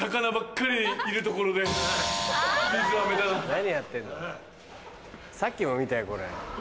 何やってんの。